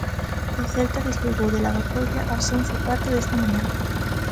O Celta despegou de Lavacolla ás once e cuarto desta mañá.